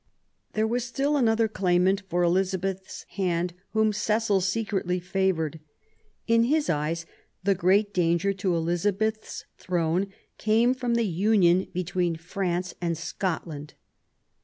There was still another claimant for Elizabeth's hand whom Cecil secretly favoured. In his eyes, the great danger to Elizabeth*s throne came from the union between France and Scotland.